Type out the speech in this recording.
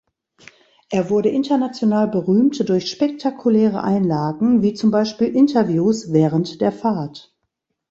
Er wurde international berühmt durch spektakuläre Einlagen wie zum Beispiel Interviews während der Fahrt.